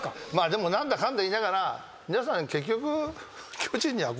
でも何だかんだ言いながら皆さん結局。